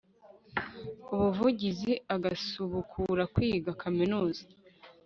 ubuvugizi agasubukura kwiga kaminuza